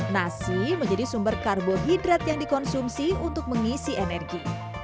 nasi menjadi sumber karbohidrat yang dikonsumsi untuk mengisi energi